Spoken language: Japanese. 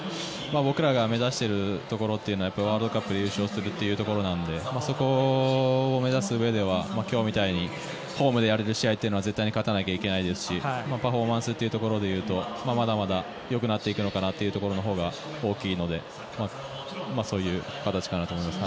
僕らが目指しているところはワールドカップで優勝するというところなのでそこを目指すうえでは今日みたいにホームでやれる試合は絶対に勝たなきゃいけないですしパフォーマンスというところでいうとまだまだ良くなっていくのかなというところのほうが大きいのでそういう形かなと思います。